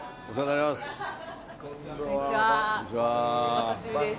お久しぶりです。